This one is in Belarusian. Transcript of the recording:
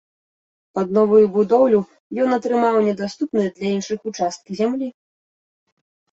Пад новую будоўлю ён атрымаў недаступныя для іншых участкі зямлі.